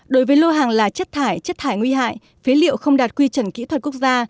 đối với lô hàng là chất thải chất thải nguy hại phế liệu không đạt quy chuẩn kỹ thuật quốc gia